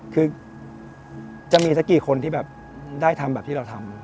คือจะมีสักกี่คนที่แบบได้ทำแบบที่เราทำ